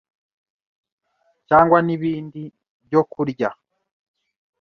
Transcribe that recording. cyangwa n’ibindi.byo kurya